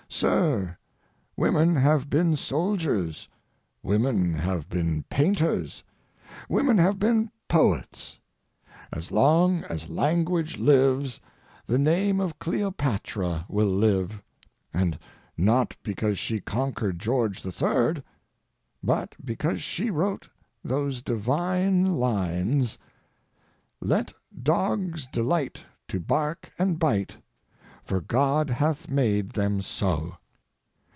Sir, women have been soldiers, women have been painters, women have been poets. As long as language lives the name of Cleopatra will live. And not because she conquered George III.—but because she wrote those divine lines: "Let dogs delight to bark and bite, For God hath made them so."